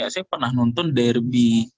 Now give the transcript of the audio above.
saya pernah nonton derby